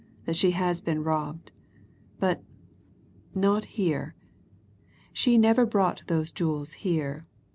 that she's been robbed. But not here. She never brought those jewels here.